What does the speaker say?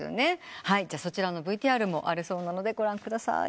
そちらのＶＴＲもあるそうなのでご覧ください。